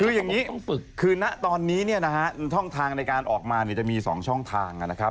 คืออย่างนี้คือณตอนนี้ช่องทางในการออกมาจะมี๒ช่องทางนะครับ